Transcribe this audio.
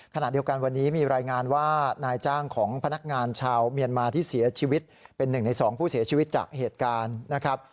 ขณะเดียวกันวันนี้มีรายงานว่านายจ้างของพนักงานชาวเมียนมาที่เสียชีวิตเป็นหนึ่งในสองผู้เสียชีวิตจากเหตุการณ์นะครับ